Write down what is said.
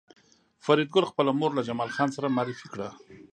فریدګل خپله مور له جمال خان سره معرفي کړه